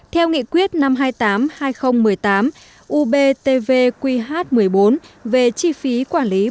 theo nghị quyết năm trăm hai mươi tám hai nghìn một mươi tám ubtvqh một mươi bốn về chi phí quản lý bảo vệ